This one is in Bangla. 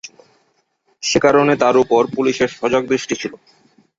সেকারণে তার উপর পুলিশের সজাগ দৃষ্টি ছিল।